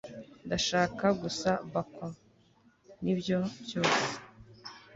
ndashaka gusa bacon, nibyo byose